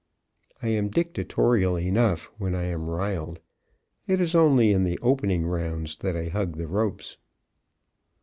I am dictatorial enough when I am riled. It is only in the opening rounds that I hug the ropes.